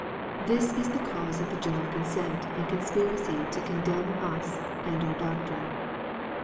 This is the cause of the general consent and conspiracy to condemn us and our doctrine.